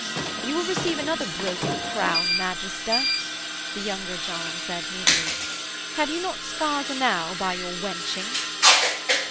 'You will receive another broken crown, magister,' the younger John said moodily. 'Have you not scars enow by your wenching?'